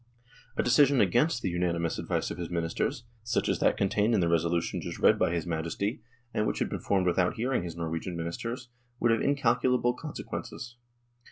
A decision against the unanimous advice of his Ministers, such as that con tained in the resolution just read by his Majesty THE DISSOLUTION OF THE UNION 101 and which had been formed without hearing his Norwegian Ministers, would have incalculable con sequences.